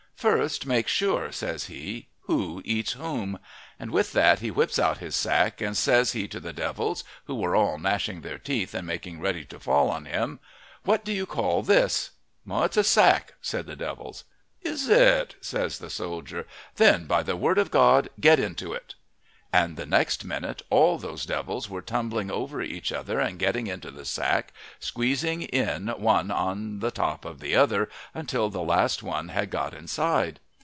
"First make sure," says he, "who eats whom." And with that he whips out his sack, and, says he, to the devils, who were all gnashing their teeth and making ready to fall on him, "what do you call this?" "It's a sack," said the devils. "Is it?" says the soldier. "Then, by the word of God, get into it!" And the next minute all those devils were tumbling over each other and getting into the sack, squeezing in one on the top of another until the last one had got inside.